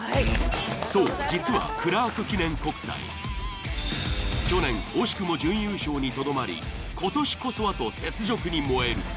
そう実はクラーク記念国際去年惜しくも準優勝にとどまり今年こそはと雪辱に燃える。